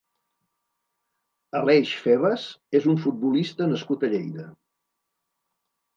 Aleix Febas és un futbolista nascut a Lleida.